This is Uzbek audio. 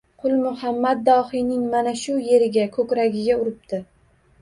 Qulmuhammad dohiyning mana shu yeriga — ko‘kragiga uripti.